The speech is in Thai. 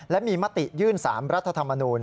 และมีมติยื่น๓รัฐธรรมนูล